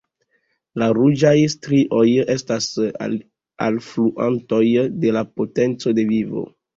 La ruĝaj strioj estas alfluantoj de la potenco de vivo.